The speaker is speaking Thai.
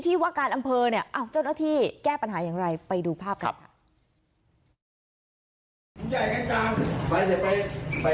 ว่าการอำเภอเนี่ยเจ้าหน้าที่แก้ปัญหาอย่างไรไปดูภาพกันค่ะ